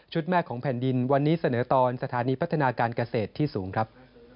แม่ของแผ่นดินวันนี้เสนอตอนสถานีพัฒนาการเกษตรที่สูงครับ